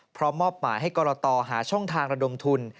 มอบหมายให้กรตหาช่องทางระดมทุน